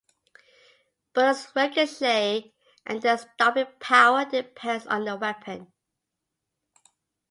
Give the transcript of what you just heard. Bullets ricochet and their stopping power depends on the weapon.